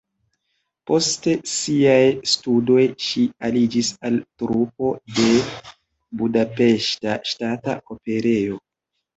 Post siaj studoj ŝi aliĝis al trupo de Budapeŝta Ŝtata Operejo.